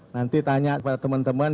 nanti tanya kepada teman teman